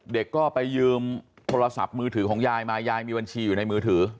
เด็กก็ไปยืมโทรศัพท์มือถือของยายมายายมีบัญชีอยู่ในมือถือ